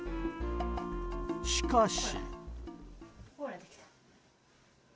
しかし。